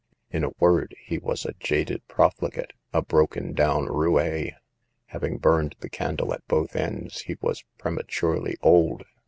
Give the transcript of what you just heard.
In a word, he was a jaded profligate; a broken down roue ; hav ing burned the candle at both ends he was pre maturely old.